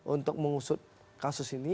untuk mengusut kasus ini